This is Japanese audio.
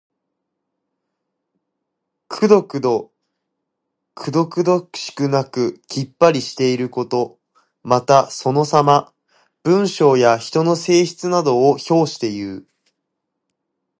くどくどしくなくきっぱりしていること。また、そのさま。文章や人の性質などを評していう。